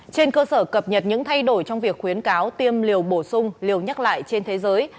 trên cơ sở cập nhật những thay đổi trong việc khuyến cáo tiêm liều bổ sung liều nhắc lại trên thế giới